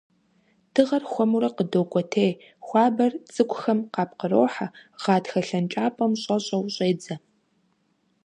Дыгъэр хуэмурэ къыдокӀуэтей, хуабэр цӀыкӀухэм къапкърохьэ, гъатхэ лъэнкӀапӀэм щӀэщӀэу щӀедзэ.